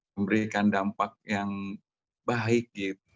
memberikan dampak yang baik